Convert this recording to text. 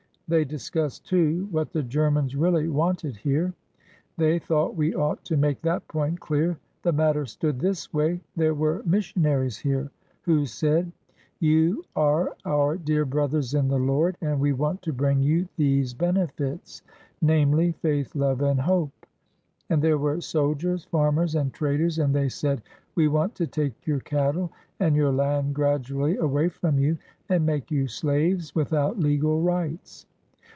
They discussed, too, what the Germans really wanted here. They thought we ought to make that point clear. "The matter stood this way : there were missionaries here who said :' You are our dear brothers in the Lord and we want to bring you these benefits; namely. Faith, Love, and Hope.' And there were soldiers, farmers, and traders, and they said: 'We want to take your cattle and your land gradually away from you and make you slaves without legal rights.'